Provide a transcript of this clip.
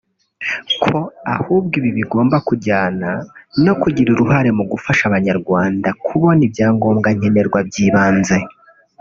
ko ahubwo ibi bigomba kujyana no kugira uruhare mu gufasha abanyarwanda kubona ibyangombwa nkenerwa by’ibanze